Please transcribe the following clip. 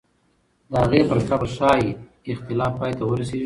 د هغې پر قبر ښایي اختلاف پای ته ورسېږي.